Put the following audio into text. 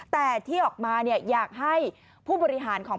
แต่ที่ออกมาเนี่ยอยากให้ผู้บริหารของ